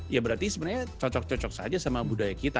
ya berarti sebenarnya cocok cocok saja sama budaya kita